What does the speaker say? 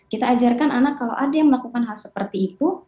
kita ajarkan anak kalau ada yang melakukan hal seperti itu